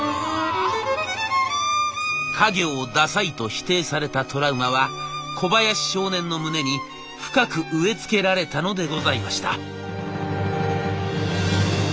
家業をダサいと否定されたトラウマは小林少年の胸に深く植え付けられたのでございました。